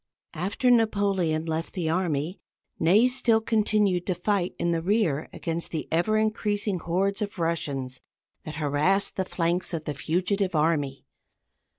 After Napoleon left the army, Ney still continued to fight in the rear against the ever increasing hordes of Russians that harassed the flanks of the fugitive army.